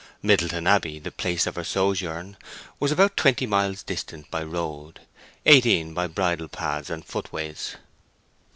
Middleton Abbey, the place of her sojourn, was about twenty miles distant by road, eighteen by bridle paths and footways.